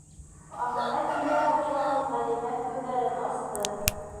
Аңына килә башлаған Ғәлимә күҙҙәрен асты: